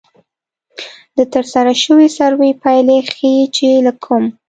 د ترسره شوې سروې پایلې ښيي چې له کم